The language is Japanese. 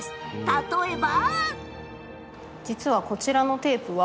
例えば。